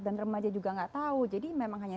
dan remaja juga nggak tahu jadi memang hanya